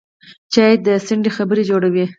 چای د څنډې خبرې جوړوي